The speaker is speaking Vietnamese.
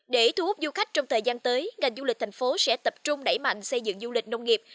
để thu hút du khách trong thời gian tới ngành du lịch thành phố sẽ tập trung đẩy mạnh xây dựng du lịch nông nghiệp